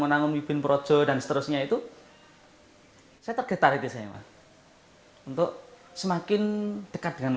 menanggung ibn projo dan seterusnya itu hai setelah tarik desain untuk semakin dekat dengan